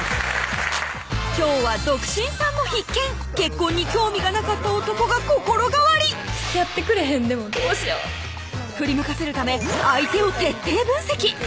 今日は独身さんも必見結婚に興味がなかった男が心変わり振り向かせるため相手を徹底分析